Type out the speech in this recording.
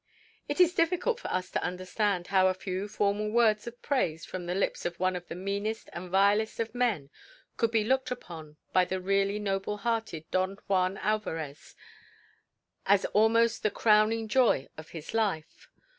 It is difficult for us to understand how a few formal words of praise from the lips of one of the meanest and vilest of men could be looked upon by the really noble hearted Don Juan Alvarez as almost the crowning joy of his life.